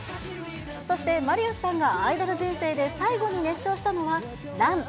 そして、マリウスさんがアイドル人生で最後に熱唱したのは、ＲＵＮ。